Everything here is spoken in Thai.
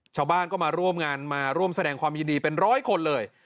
ชาวบ้านก็มาร่วมงานมาร่วมแสดงความยินดีเป็นร้อยคนเลย